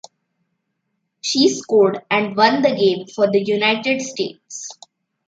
She scored and won the game for the United States.